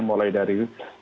mulai dari percepatan vaksin